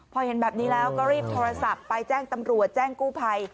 พอเห็นแบบนี้แล้วก็รีบโทรศัพท์ไปแจ้งตำรวจแจ้งกู้ภัย